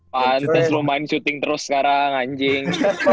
pantes lu main shooting terus sekarang anjing